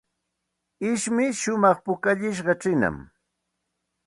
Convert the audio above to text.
Ishpi shumaq pukallishqa chiinam.